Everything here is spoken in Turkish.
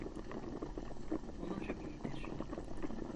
Umarım iyidir.